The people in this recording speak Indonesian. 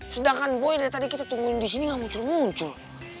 sedangkan boy dari tadi kita tungguin di sini nggak muncul muncul